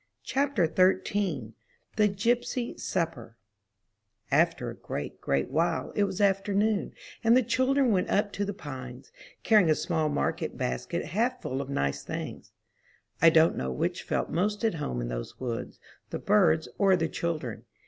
CHAPTER XIII THE GYPSY SUPPER After a great, great while, it was afternoon, and the children went up to the Pines, carrying a small market basket half full of nice things. I don't know which felt most at home in those woods, the birds or the children.